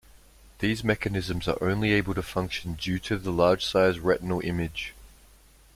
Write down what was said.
These mechanisms are only able to function due to the large-sized retinal image.